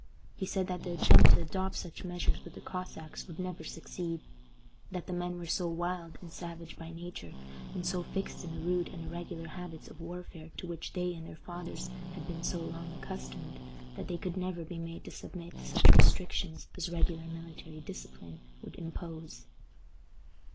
He said that the attempt to adopt such measures with the Cossacks would never succeed; that the men were so wild and savage by nature, and so fixed in the rude and irregular habits of warfare to which they and their fathers had been so long accustomed, that they could never be made to submit to such restrictions as a regular military discipline would impose.